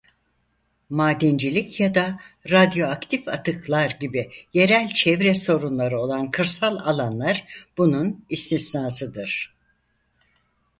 Madencilik ya da radyoaktif atıklar gibi yerel çevre sorunları olan kırsal alanlar bunun istisnasıdır.